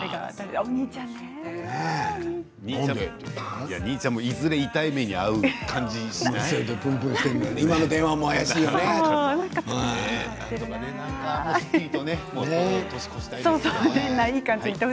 お兄ちゃんもいずれ痛いめに遭う感じがしない？